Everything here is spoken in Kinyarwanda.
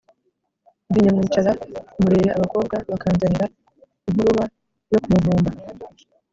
ndi nyamwicara ku murere abakobwa bakanzanira inkuruba yo ku Muvumba